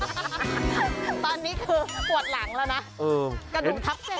ตอนนี้คือปวดหลังแล้วนะ